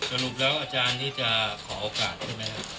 สรุปแล้วอาจารย์นี่จะขอโอกาสใช่ไหมครับ